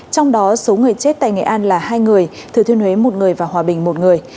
trong đó số người chết tại nghệ an là hai người thừa thiên huế một người và hòa bình một người